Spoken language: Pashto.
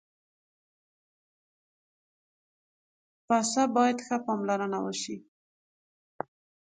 پسه باید ښه پاملرنه وشي.